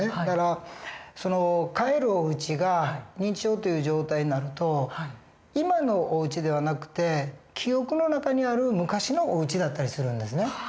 だからその帰るおうちが認知症という状態になると今のおうちではなくて記憶の中にある昔のおうちだったりするんですね。